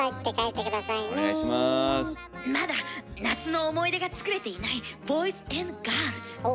まだ夏の思い出が作れていないボーイズ＆ガールズ。